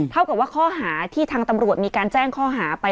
เท่ากับว่าข้อหาที่ทางตำรวจมีการแจ้งข้อหาไป